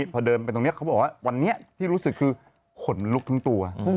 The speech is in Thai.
พอเดินไปตรงนี้เขาบอกว่าวันนี้ที่รู้สึกคือขนลุกทั้งตัว